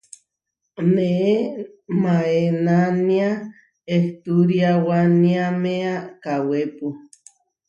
Neé maénania ehturiáwaníamea kawépu.